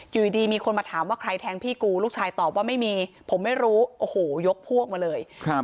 อยู่ดีมีคนมาถามว่าใครแทงพี่กูลูกชายตอบว่าไม่มีผมไม่รู้โอ้โหยกพวกมาเลยครับ